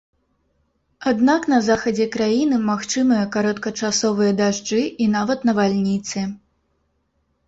Аднак на захадзе краіны магчымыя кароткачасовыя дажджы і нават навальніцы.